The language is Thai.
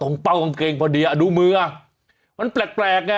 ก็ตรงเป้ากันกันปะดีดูมือมันแปลก